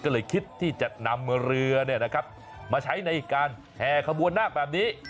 ก็เลยคิดที่จะนำเรือมาใช้ในการแห่ขบวนนาคแบบนี้